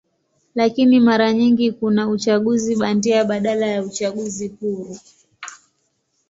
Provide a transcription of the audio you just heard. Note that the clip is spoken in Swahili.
Lakini mara nyingi kuna uchaguzi bandia badala ya uchaguzi huru.